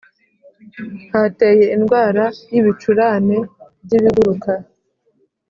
Hateye indwara y’ibicurane by’ibiguruka